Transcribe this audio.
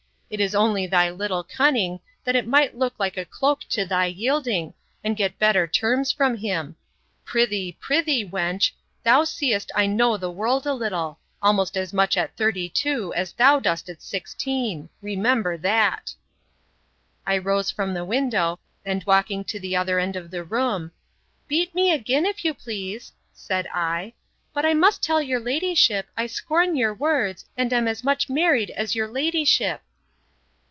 It is only thy little cunning, that it might look like a cloak to thy yielding, and get better terms from him. Pr'ythee, pr'ythee, wench, thou seest I know the world a little;—almost as much at thirty two, as thou dost at sixteen.—Remember that! I rose from the window, and walking to the other end of the room, Beat me again, if you please, said I, but I must tell your ladyship, I scorn your words, and am as much married as your ladyship!